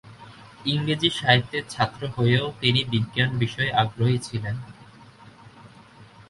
ইংরেজি সাহিত্যের ছাত্র হয়েও তিনি বিজ্ঞান বিষয়ে আগ্রহী ছিলেন।